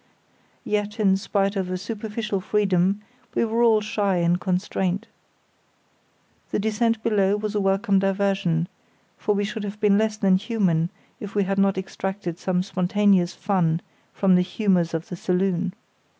Yet, in spite of a superficial freedom, we were all shy and constrained. The descent below was a welcome diversion, for we should have been less than human if we had not extracted some spontaneous fun from the humours of the saloon.